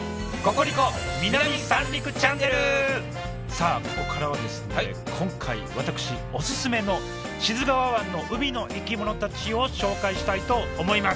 さあここからは今回私オススメの志津川湾の海の生き物たちを紹介したいと思います。